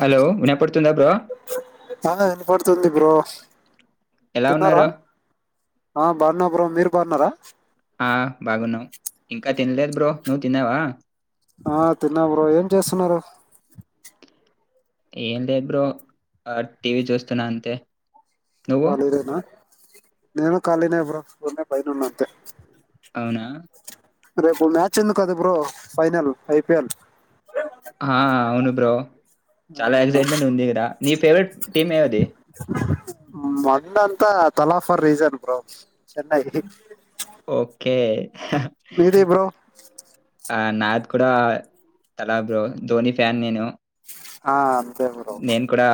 Hello విన పడుతుందా bro అదన్ని పడుతుంది బ్రో ఎలా తిన్నారా ఉన్నారు ఆ బా బనమ్ మీరు బారున్నారా ఆ బాగున్నావు ఇంకా తినలేదు బ్రో నువ్వు తిన్నావా ఆ తిన్నావ్ ఏం చేస్తున్నారు ఏం లే బ్రో ఆ టీవీ చూస్తున్నా అంతే నువ్వు కాళీ నే నా నేను ఖాాలినే ఇబ్రన్న బైటున్న అంతే అవునా రేపు చిందు కదు బ్రో ఫైనల్ ఐపిఎల్ ఆ, అవును బ్రో చాలా ఎక్సైట్మెంట్ ఉంది ఇక్కడ నీ ఫేవరెట్ టీమ్ ఏవది మగ్న అంతా తలాఫర్ రీజన్ బ్రో చెన్నై ఓకే విదే బ్రో ఆ నాద్ కూడా తల బరు ధోని ఫ్యాన్ నేను ఆ అంతే బ్రో నేను కూడా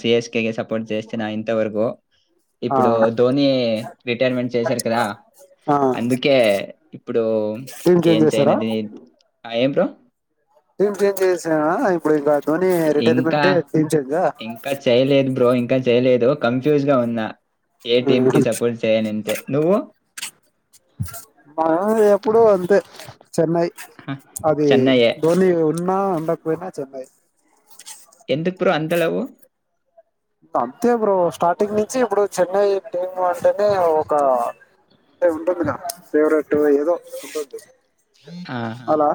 సి ఎస్ క కే సపోర్ట్ చేస్తే నా ఇంతవరకుూ ఆ ఇప్పుడు ధోని రిటైర్మెంట్ చేసారు కదా ఆ అందుకే ఇప్పుడు టీమ్ చేంజ్ ఏం చేయన చేసారా దని ఏం బ్రో ఏంం చేసేరా ఎప్పుడు ధోని ఇంకా రిటైర్మెంట్ టీం చేంజ్ ఆ ఇంకా చేయలేదు బ్రో ఇంకా చేయలేదు కన్ఫ్యూజ్ గా ఉన్నా ఏ టటీమ్ కి సపోర్ట్ స ఏనంత నువ్వు మా ఎప్పుడు అంతే చెన్నై హ, అది చెన్నయ్యే ధోని అన్నా ఉంటకుపోయినా చెన్నై ఎందుకు బ్రో అంత లవ్ అంతే ఇప్పు స్టార్టింగ్ నుంచి ఇప్పుడు చెన్నై టీమ్ అంటేనే ఒక అంట ఉంటుంది ఫేవరెట్ ఏదో ఉంటుంది ఆహా అలా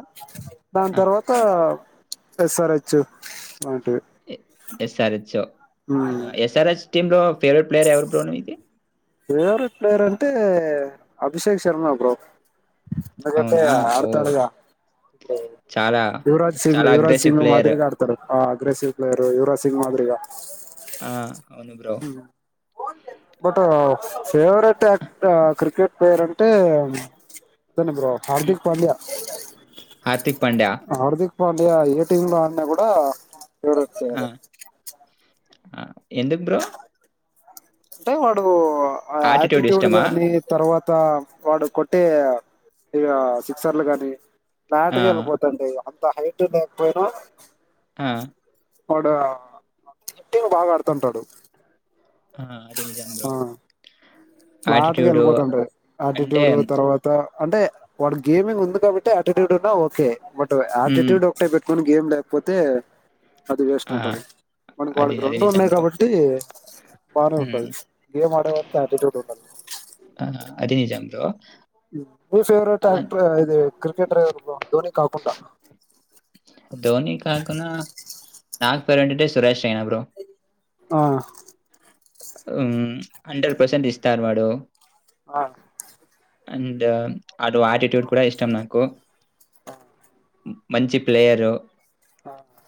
దాని ఆ, తర్వాత స్ ర్ హ్చ్ ఎసరిచ్చో ఆ ఎస్ఆర్ఎస్ టీంలో ఫేవరట్ ప్లేయర్ ఎరు బ ఇది ఫేవరెట్ ప్లేయర్ అంటే అభిషేక్ శర్మ బ్రో ఎందుకంటే అవునా ఓ ఆడతాడుగా ఇప్పుడు చాలా యువరాజ్ సింగ్ చాలా యువరాజ్ అగ్రెసివ్ సింగ్ ప్లేయర్ మాదిరిగా ఆడతాడు అగెసవ్లేరు యువ్రా సింగ్ మాదిరిగా ఆ అవును బ్రో బట్ ఫేవరెట్ యాక్ క్రికెట్ ప్లేయర్ అంటే సని ఇప్పు్ర ఉమ్. హార్దిక్ పాండ్యా హార్దిక్ పాండ్యా హార్దిక్ మళయా ఏటీమ్లో ఆనా కూడా చూడుచ్చ ఆ, ఆ ఎందుకు బ్రో అంటే వాడూ ఆ ఆటిట్యూడ్ యాటిట్యూడ్ ఇష్టమా గాని తర్వాత కొత్త వాడు కొట్టే ఇ సిక్సర్లు గాని ఆ, నాటకి వెళ్ళిపోతుండి హైట్ లేకపోయినా ఆ వాడుటింగ్ బాగా ఆడుతుంటాడు ఆ అదే చంద్రో ఫ్లాట్గా వెళ్ళిపోతుంట అంటే ఆటిట్యూడ్ తర్వాత అంటే వాడు గేమింగ్ ఉంది కాబట్టి అటిట్యూడ్ ఉన్నా ఓకే బట్ ఉమ్, ఆటిట్యూడ్ ఒకటె కొని గేమ్ లేకపోతే అది వేస్ట్ ఆ, అంటారు మనకి అది వాళ్ళకి అది రెండు నిజం ఉన్నాయి బ్రో. కాబట్టి బాగానే ఉంటుది హ్మ్. గేమ్ ఆడేవాకిటి ఉంటంది ఆ అదిే నిజం బ్రో ఉ మీ ఫేవరెట్ ఆహ్, యాక్టర్ ఇది క్రికెటర్ ధోని కాకుండా ధోని కాకున్నా నాకు పరు ఉంటింటే సురేష్ రైనా బ్రో ఆ హండ్రెడ్ పర్సెంట్ ఇస్తారు వాడు ఆ అండ్ అటు ఆటిట్యూడ్ కూడా ఇష్టం నాకు మంచి ప్లేయరు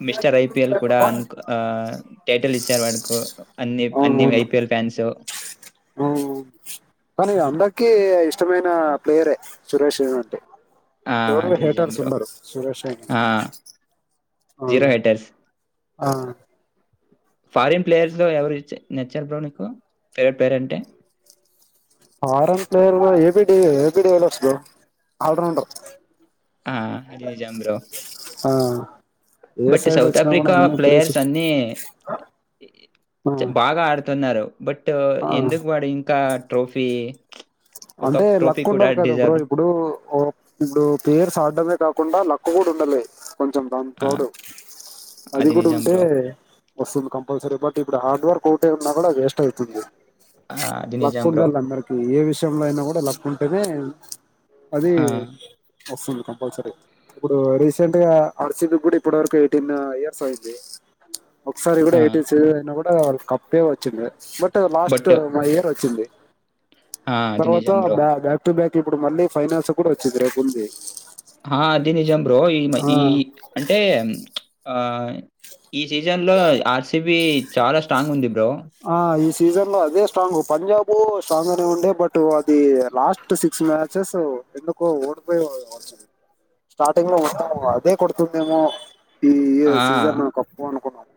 మిస్టర్ ఐపిఎల్ కూడా అ టైటిల్ ఇచ్చారు వాడుకు అన్ని అన్ని అవునవును ఐపిఎల్ ఫ్యాన్స్ మనీ అందకీ ఇష్ ఇష్టమైన ప్లేయరే సురేషు అంటే ఆ ఎవరు అది ఇజం హేటర్స్ బ్రో ఉండరు సురేష్ రైనా ఆ ఆ జీరో హేటర్స్ ఆ ఫారిన్ ప్లేయర్స్ లో ఎవరు ఇచ నచ్చారు బ్రో నీకు ఫేవరెట్ పేరు అంటే ఫారన్ ప్లేయర్ లో ఏబిడి ఏబిడిఎల్ఎక్స్ బ్రో ఆల్ రౌండర్ ఆ అది నిజం బ్రో ఆ ఏ బట్ సైడ్ సౌత్ వచ్చినా కూడా ఆఫ్రికా అన్ని త్రీ ప్లేయర్స్ సిక్స్ అన్నీ బాగా ఆడుతున్నారు బట్ ఆ ఎందుకు వాడు ఇంకా ట్రోఫీ ఒక అంటే ట్రోఫీ లక్ కూడా ఉండాలి కదా బ్రో డిజర్వ్ ఇప్పుడు ఇప్పుడు ప్లేయర్స్ ఆడడమే కాకుండా లక్కు కూడా ఉండలే కొంచెం దాని ఆ! తోడు అది కూడా నిజం ఉంటే బ్రో. వస్తుంది కంపల్సరీ బట్ ఇప్పుడు హార్డ్ వర్క్ కోటీమ్ మగడా వేస్ట్ అయితుంది ఆ! అది లక్కు నిజం బ్రో. ఉండాల అందరికి ఏ విష టైంలో అయినా కూడా లక్కు ఉంటేనే అదీ ఆ! వస్తుంది కంపల్సరి ఇప్పుడు రీసెంట్ గా అర్చింది కూడా ఇప్పటి వరకు ఎయిటీన్ ఇయర్స్ అయింది ఒకసారి కూడా ఆ! ఎయిటీన్ సీజన్ అయినా కూ కప్పే వచ్చింది బట్ లాస్ట్ బట్ మా ఇయర్ వచ్చింది ఆ! అది పర్వాత నిజం బ్రో. బ్యా బ్యాక్టు బ్యాక్ ఇప్పుడు మళ్ళీ ఫైనాన్స్ కూడా వచ్చింది రేపు ఉంది హా అది నిజం బ్రో ఈ మ ఆ ఈ అంటే ఆ ఈ సీజన్ లో ఆర్సిబి చాలా స్ట్రాంగ్ ఉంది బ్రో. ఆ ఈ ఈ సీజన్ లో అదే స్ట్రాంగ్ పంజాబూ స్ట్రాంగనే ఉండే బట్ అది లాస్ట్ సిక్స్ మ్యాచెస్ ఎందుకో ఓడిపోయితుంది స్టార్టింగ్ లో మొత్తం అదే కొడుతుందేమో ఈ ఆ సీజన్ కప్పు అనుకున్నాము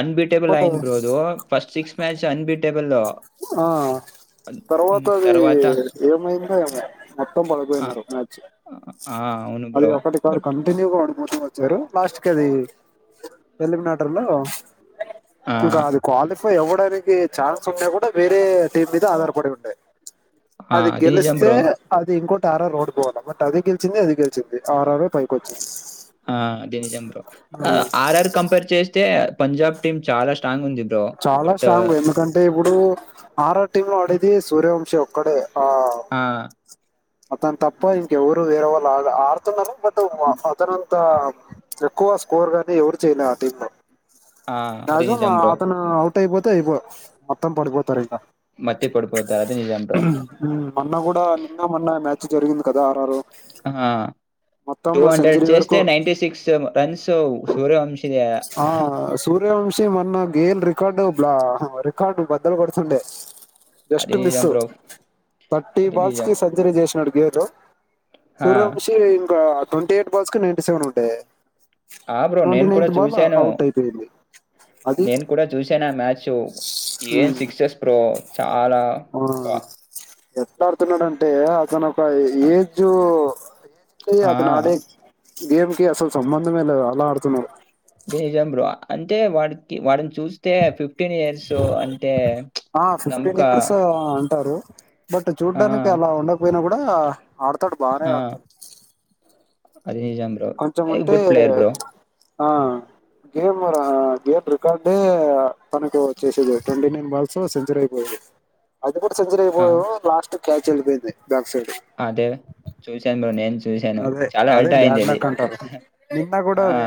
అన్బీటేబల్ బట్ అయిన్ bro though first six match అన్బిట్ ఆ తర్వాత హ్మ్. అదీ తర్వాత ఏమైందో ఏమో మొత్తం ఆ! ఆ! పడిపోయినారు మ్యాచ్ ఆ! అవును అది బ్రో. ఒకటి కాడు బట్ కంటిన్యూగా ఓడి మోస్ట్లీ వచ్చారు లాస్ట్ కదీ ఎలిమినేటర్ లో ఆ! ఇంకా అది క్వాలి ఇ ఇవ్వడానికి చా సుమ్నే కూడా వేరే టీమ్ మీద ఆధారపడి ఉండే ఆ! అది నిజం గెలుస్తే బ్రో. అది ఇంక అర్ అర్ ఓడి పోవాల బట్ అది గెలిచింది అది గెలిచింది ఆర్ అర్ ఫైకొచ్చింది ఆ అది నిజం బ్రొ ఆ ఆర్ఆర్ కంపేర్ చేస్తే పంజాబ్ టిమ్ చాలా స్ట్రాంగ్ ఉంది బ్రో. చాలా బట్ స్ట్రాంగు ఎందుకంటే ఇప్పుడు ఓ అర్ అర్ టీం వాడేది సూర్యవంశం ఒక్కడే ఆ అతన్ తప్ప ఇంకెవరు వేరే వాల్ వాల్ ఆడ్తున్నరు బట్ వ అతనంత ఎక్కువ స్కోర్ గాని ఎవరు చేయలే ఆ టీమ్ లో ఆ! అది రాజు మా నిజం బ్రో. అతను త్తైపోతే అయిపో మొత్తం పడిపోతారిగ మత్తి పడిపోతారు. అది నిజం బ్రో. మ్మ్ మొన్న గుడా నిమ్ నా మ్యాచ్ జరిగింది కద్ ఆ మొత్తం టుహండ్రెడ్ సెంచరీ చేస్తే వరకు నైన్టిసిక్స్ రన్స్ సూర్యవంశీదె వచ్చే మొన్న గేల్ రికార్డు బ్లా ఆ రికార్డు బద్దలు గొడుతుండే అది జస్ట్ నిజం మిస్సు బ్రో. థర్టీ అది బాల్ నిజం. స్కి సజ్జరీ జేస్నాడు ఏటో ఆ! సూర్య వంశీ ఇంకా ట్వంటీ ఎయిట్ బాల్స్కీ నైన్టీ సెవెన్ ఉండే ఆ బ్రో నేన్ కుడా చూసాను అయిపోయింది అది నేను కూడా చూసానా మ్యాచు ఏం సిక్సెస్ బ్రో చాలా బ్బ ఎత్తాడ్ అత్తున్నడంటే అతను అ ఏజూ ఓ గే చెయ్ అతను ఆ! ఆడి గేమ్ కి అసల్ సంబంధమే లేదు అలా ఆడుతున్నావు డేజం బ్రొ అంటే వాడికి వాడిన్ చూస్తే ఫిఫ్ ఫిఫ్టీన్ ఇయర్సు అంటే ప్చ్ ఆ ఫిఫ్టీన్ నమ్కా ఇయర్స్ అంటారు బట్ చూడ్డానికి అలా ఉండకపోయినా కుడ్ బా ఆడ్ తడు బానే ఆ! ఆడ్తాడు అది నిజాం bro a good player bro ఆ గేమ్ లో రా గేమ్ రికార్డే తనకు వచ్చేసేది ట్వంటీ నైన్ బాల్స్ సెంచరీ ఐపోయేది ఎప్పుడు సెంచరీ ఆ! పోయావో లాస్ట్ క్యాచ్ ఎల్లిపోయింది అదే చూసాన్ బ్రో నాన్జ్ అదే అదే బ్యాడ్ లక్ కంటారు నిన్న కూడా ఆ! అదే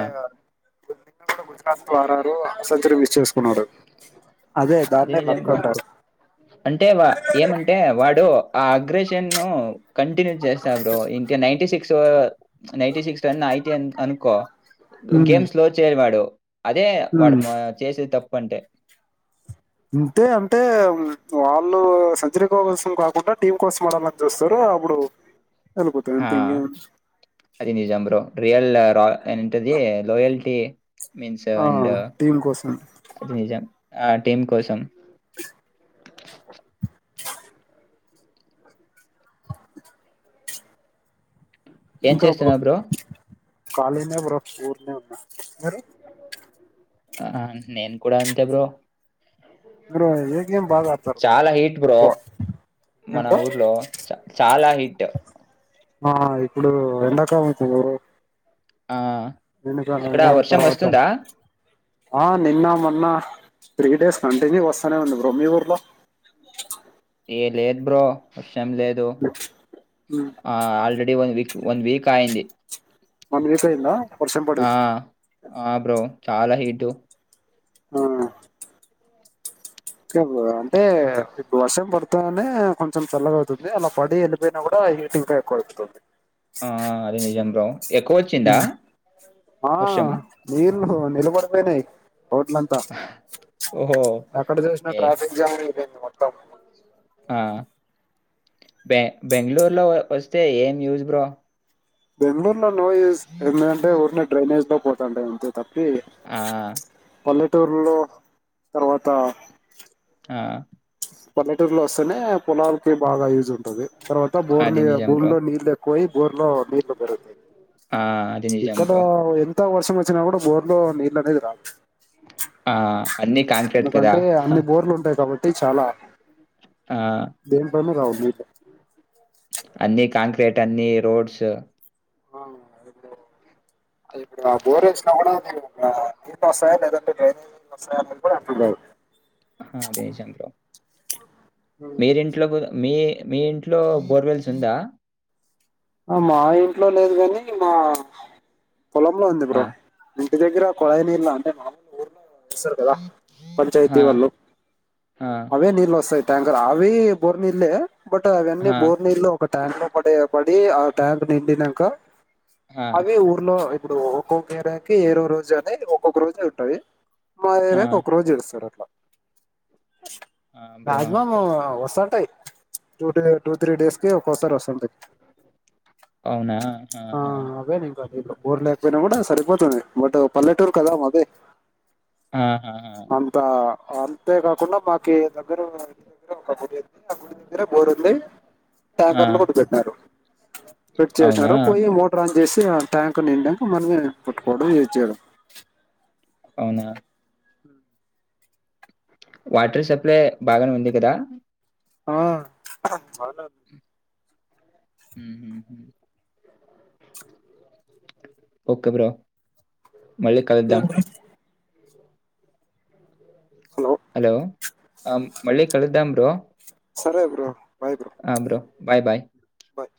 కొ నిన్న గుడా గుజరాత్ లో ఆరారు ఆ సెంచరీ మిస్ చేసుకున్నారు అది నిజం బ్రో అంటే వా ఏమంటే వాడు ఆ అగ్రెషన్ను కంటిన్యూ చేస్తా బ్రో ఇంక ninety six [unintelligible] ninety six ten ninety అ అనుకో గేమ్ స్లో చేయడు వాడు. అదే వాడు ఉమ్ మా చేసేతప్పు. ప్పంటే అంతే అంటే వాళ్ళు సర్జరీ కోసం కాకుండా టీం కోసం అడాలని చూస్తారు అప్పుడు వెళ్ళిపోతాయి ఆ అంతే ఇంకేం అది నిజం బ్రో రియల్ రా ఏంటది లోయల్టీ మీన్స్ ఆ అండ్ టీం కోసం అది నిజం ఆ టీం కోసం ఏం చేస్తూనావ్ బ్రో ఖాళీనే బ్రో ఊరికే ఉన్నా మీరు ఆ నేను కూడా అంతే బ్రో ఎక్కడ్ర ఇది చాలా హీట్ బ్రో ఏం మన బ్రో ఊర్లో చాలా హీట్. ఆ ఇప్పుడు ఎండాకాలానికీ బ్రో ఆ అక్కడ వెనుకాల వర్షం తర్వాత వస్తుందా? ఆ నిన్న మొన్న న్నా త్రీ డేస్ కంటిన్యూ వస్తానే ఉంది బ్రో మీ ఊర్లో లేదుబ్రో ఏం లేదు ఆ already one week one week అయింది. వన్ వీక్ అయ్యిందా? వర్షం పడి ఆ ఆ బ్రో చాలా హీటు ఆ ఓకే బ్రో అంటే ఇప్పుడువర్షం పడితేనే కొంచెం చల్లగా అవుతుంది అలా పడి వెళ్ళిపోయినా కూడా హీట్ ఎక్కువ ఎక్కుతుంది. ఆ అదే నిజం బ్రో ఎక్కువ వచ్చిందా ఆ వర్షం? [unintelligible] ఓహో నిలబడిపోయినాయి రోడ్లంత ఓహో! ఎక్కడ చూసిన ఓకే. ట్రాఫిక్ జామ్ ఐపోంది. మొత్తం ఆ బె బెంగళూరులో వస్తే ఏం news bro Bengaluru no use ఏంటంటే.. ఊర్లో డ్రైనేజీలో... పోతుంటే ఉంటే తప్ ఆ చిత్తూరులో తర్వాత ఆ పల్లెటూరులో వస్తేనే పొలాలకి బాగా యూజ్ ంది తర్వాత అది బోర్ని నిజం బూమి బ్రో. లో నీళ్లు ఎక్కుయి ఊర్లో నీళ్లు పెరుగుతాయి ఆ అది నిజం బ్రో త వర్షం వచ్చినా కూడా బోర్ లో నీళ్ళు అనేది రాదు ఆ అన్నీ కాంక్రీట్ కదా! ఎందుకంటే అన్ని బోర్లు ఉంటాయి కాబట్టి చాలా ఆ! దేంట్లోనూ రావు మీకా అన్ని కాంక్రీట్ అన్ని రోడ్స్ ఆ ఇప్పుడు ఆది ఆ బోర్ వేసినా కూడా నీళ్ళు వస్తాయా? లేదంటే డ్రైనేజీ నీళ్లు వస్తాయా కూడా అంతులేదు ఆ హా దేశం బ్రో మీరు ఇంట్లో కూ మీ మీ ఇంట్లో బోర్‌వెల్స్ ఉందా ఆ మా ఇంట్లో లేదు కానీ మా పొలంలో ఉంది ఆ! బ్రో దగ్గర కొళాయి నీళ్లు అంటే మామూలుగా వస్తారు కదా పంచాయతీ ఆ! వాళ్ళు ఆ! అవే నీళ్లు వస్తాయి తుంగా అవి బోర్ నీళ్లే బట్ అవన్నీ ఆ! బోర్ నీళ్ళో ఒక ట్యాంక్ లో ప డ య బ డ్ అదే ఆ ట్యాంక్ నిండినాక ఆ! అవి ఊర్లో ఇప్పుడు ఒక్కొక్క ఏరియాకి ఏరో రోజు అని ఒక్కొక్క రోజు ఉంటది మా ఆ! ఏరియాకి ఒక రోజు ఇడుస్తారు అట్లా ఆ! బ్రో రాజ్ మా మా బ్రో. వస్తా ఉంటాయి టూ త్రీ డేస్ కి ఒక్కోసారి వస్తుంటాయి అవునా ఆ ఆహా! అవే ఇంక దీంట్లో బోర్ లేకపోయినా కూడా సరిపోతుంది బట్ పల్లెటూరు కదా మాది ఆహాహా అంతేకాకుండా మాకి దగ్గర ఇంటి దగ్గర ఒకదు ఆ గుడి దగ్గర బోరుంది ఆ! ట్యాంకర్ లో కొట్టుబెట్టినారు అవునా మోటర్ ఆన్ చేసి ట్యాంక్ నిండ మరి పుటుకోడు ఏడ్చాడు అవునా వాటర్ సప్లై బాగానే ఉంది కదా ఆ ఓకే బ్రో మళ్ళీ కలుద్దాం ఇంకేం బ్రో? హలో ఆ మళ్ళీ కలుద్దాం బ్రో సరే బ్రో ఆ బ్రో బాయ్ బాయ్ బాయ్